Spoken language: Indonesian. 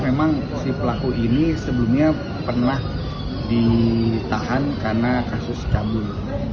memang si pelaku ini sebelumnya pernah ditahan karena kasus kabur